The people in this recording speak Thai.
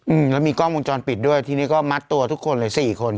อืมแล้วมีกล้องวงจรปิดด้วยทีนี้ก็มัดตัวทุกคนเลยสี่คน